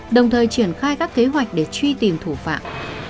đồng thời triển khai các kế hoạch để truy tìm thủ phạm